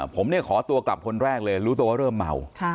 ผมเนี่ยขอตัวกลับคนแรกเลยรู้ตัวว่าเริ่มเมา